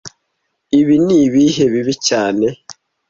Ibi nibihe bibi cyane